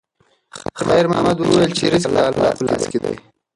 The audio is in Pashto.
خیر محمد وویل چې رزق د الله په لاس کې دی.